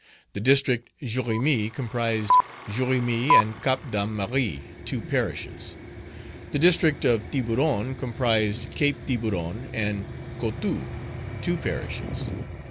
The District Jérémie comprised Jérémie and Cap Dame Marie, two parishes. The District of Tiburon comprised Cape Tiburon and Coteaux, two parishes.